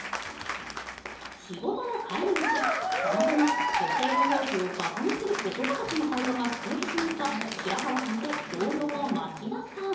仕事の帰り道、たまたまの女性の容姿を馬鹿にする男たちの会話が聞こえてしまった白川さんと同僚の町田さん。